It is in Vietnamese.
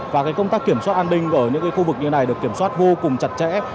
và công tác kiểm soát an ninh ở những khu vực như này được kiểm soát vô cùng chặt chẽ